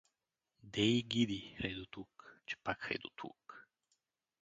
Де й гиди, хайдутлук, че пак хайдутлук?